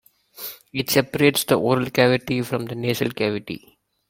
It separates the oral cavity from the nasal cavity.